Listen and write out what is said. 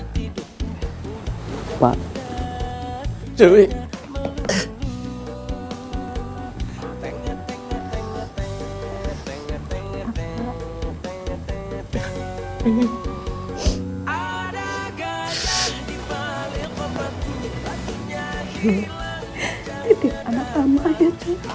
titik anak tamanya